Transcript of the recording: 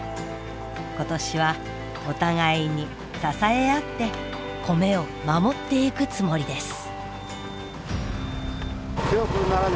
今年はお互いに支え合って米を守ってゆくつもりです。